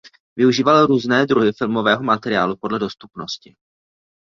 Využíval různé druhy filmového materiálu podle dostupnosti.